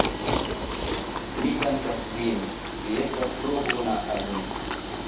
Mi dankas vin, vi estas tro bona al mi.